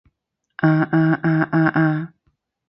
啊啊啊啊啊